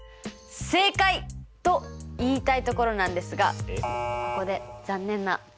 正解！と言いたいところなんですがここで残念なお知らせです。